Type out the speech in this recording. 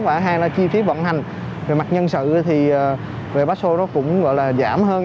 và hai là chi phí vận hành về mặt nhân sự thì về baso nó cũng gọi là giảm hơn